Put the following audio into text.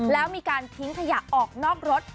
แล้วมีการทิ้งขยะออกนอกรถ